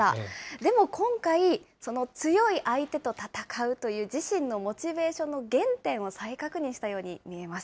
でも今回、その強い相手と戦うという自身のモチベーションの原点を再確認したように見えます。